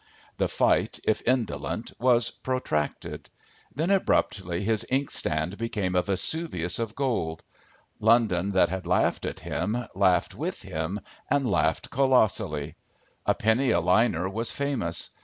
The fight, if indolent, was protracted. Then, abruptly, his inkstand became a Vesuvius of gold. London that had laughed at him, laughed with him and laughed colossally. A penny a liner was famous.